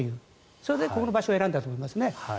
それで、ここの場所を選んだと思いますね。